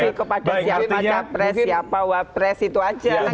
ini bukan dollar ini lebih kepada siapa capres siapa wapres itu aja